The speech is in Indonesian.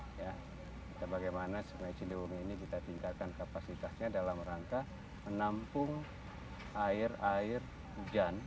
kita bagaimana sungai ciliwungu ini kita tingkatkan kapasitasnya dalam rangka menampung air air hujan